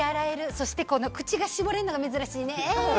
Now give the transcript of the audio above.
そしてこの口が絞れるのは珍しいね。